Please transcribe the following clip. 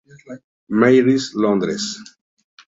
Mary's, Londres.